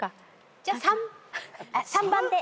じゃあ３３番で。